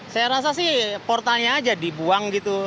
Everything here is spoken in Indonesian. saya rasa sih portalnya aja dibuang gitu